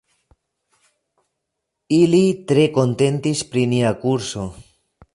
Ili tre kontentis pri nia kurso.